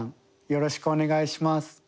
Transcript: よろしくお願いします。